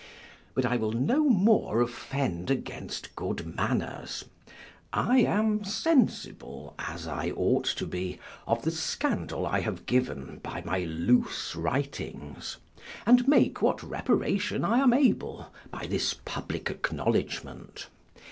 But I will no more offend against good manners: I am sensible, as I ought to be, of the scandal I have given by my loose writings; and make what reparation I am able, by this public acknowledgment.